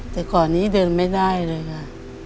แต่ก่อนนี้เดินไม่ได้เลยค่ะ